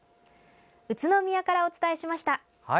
宇都宮からお伝えしました。